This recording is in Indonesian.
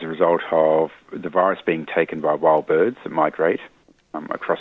dan itu mungkin terkait dengan perubahan dalam virus